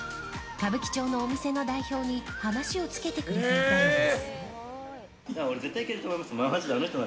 歌舞伎町のお店の代表に話をつけてくれていたのです。